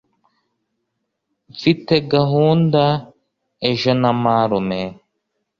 Mfite gahunda ejo na marume.